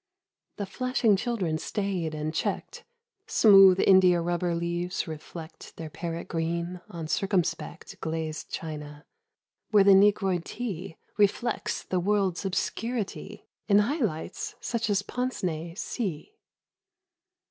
The flashing children stayed and checked, Smooth indiarubber leaves reflect Their parrot green on circumspect Glazed china where the negroid tea Reflects the world's obscurity In high lights such as pincenez see.